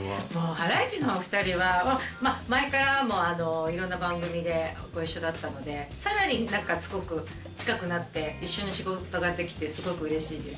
ハライチのお二人は前からもいろんな番組でご一緒だったのでさらに何かすごく近くなって一緒に仕事ができてすごくうれしいです。